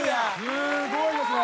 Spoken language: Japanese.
すごいですね。